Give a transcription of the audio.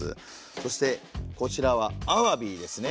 そしてこちらは鰒ですね。